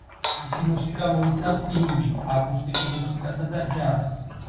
მისი მუსიკა მოიცავს ინდი, აკუსტიკურ მუსიკასა და ჯაზს.